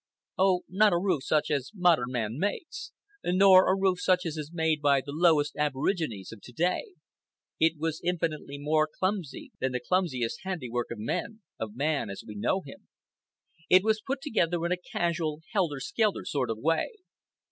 Oh, not a roof such as modern man makes! Nor a roof such as is made by the lowest aborigines of to day. It was infinitely more clumsy than the clumsiest handiwork of man—of man as we know him. It was put together in a casual, helter skelter sort of way.